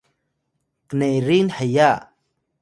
nerin heya